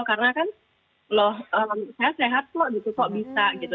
karena kan loh saya sehat kok gitu kok bisa gitu